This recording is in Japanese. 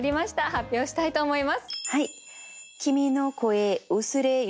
発表したいと思います。